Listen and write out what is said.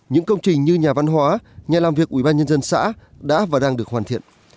những công trình như nhà văn hóa nhà làm việc ủy ban nhân dân xã đã và đang được hoàn thiện